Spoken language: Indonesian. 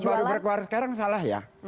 kalau baru berkuar sekarang salah ya